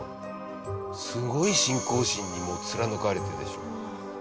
すごい信仰心にもう貫かれてでしょ。